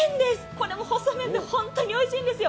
これも細めんで本当においしいんですよ。